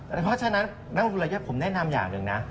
เพราะฉะนั้นนางบุรุษบริเวศผมแนะนำอย่างหนึ่งนะ